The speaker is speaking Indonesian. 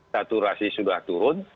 saturasi sudah turun